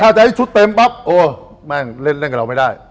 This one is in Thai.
ถ้าจะให้ชุดเต็มปั๊บโอ้แม่งเล่นกับเราไม่ได้